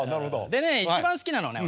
でね一番好きなのはね